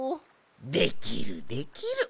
できるできる！